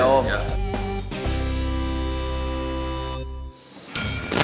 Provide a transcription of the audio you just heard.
sama sama ya om